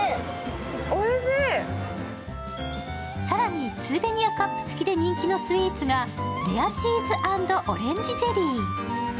更にスーベニアカップ付きで人気のスイーツがレアチーズ＆オレンジゼリー。